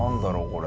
これ。